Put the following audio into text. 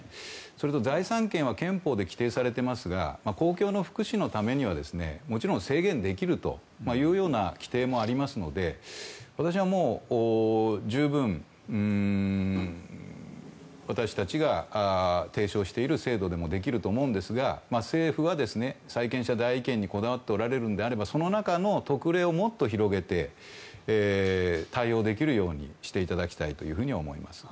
それと財産権は憲法で規定されていますが公共の福祉のためにはもちろん、制限できるという規定もありますので私は、もう十分私たちが提唱している制度でもできると思うんですが政府は、債権者代位権にこだわっておられるのであればその中の特例を広げて対応できるようにしていただきたいと思います。